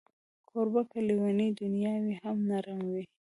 کوربه که لېونۍ دنیا وي، هم نرم وي.